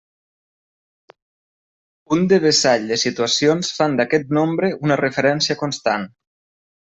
Un devessall de situacions fan d'aquest nombre una referència constant.